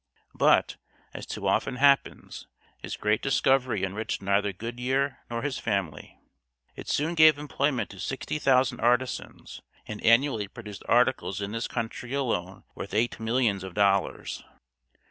But, as too often happens, his great discovery enriched neither Goodyear nor his family. It soon gave employment to sixty thousand artisans, and annually produced articles in this country alone worth eight millions of dollars.